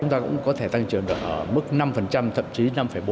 chúng ta cũng có thể tăng trưởng ở mức năm thậm chí năm bốn